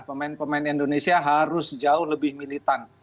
pemain pemain indonesia harus jauh lebih militan